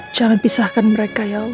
jangan pisahkan mereka ya